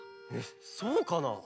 そうかな？